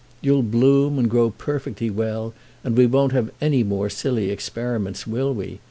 You'll bloom and grow perfectly well, and we won't have any more silly experiments, will we?